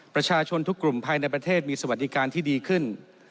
ประชาชนทุกกลุ่มภายในประเทศมีสวัสดิการที่ดีขึ้น